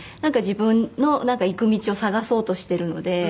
自分の行く道を探そうとしてるので。